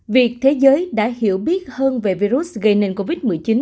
việc thế giới đã hiểu biết hơn về virus gây nên covid một mươi chín